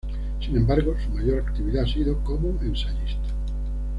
Sin embargo, su mayor actividad ha sido como ensayista.